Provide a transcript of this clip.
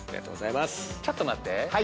ちょっと待って。